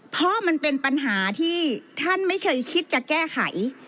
เพราะมันเป็นปัญหาที่ท่านไม่เคยคิดจะแก้ไข